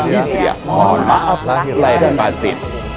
jangan lupa like subscribe dan share